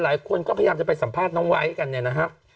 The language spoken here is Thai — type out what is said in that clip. หลายคนก็พยายามจะไปสัมภาษณ์น้องไว้กันเนี่ยนะครับ